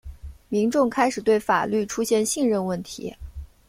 民众开始对法律出现信任问题。